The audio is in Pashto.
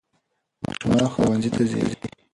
ماشومان ښونځي ته ځي